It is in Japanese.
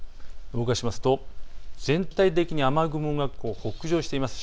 動かしますと全体的に雨雲が北上しています。